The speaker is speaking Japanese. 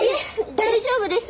大丈夫です。